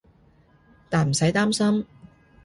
但唔使擔心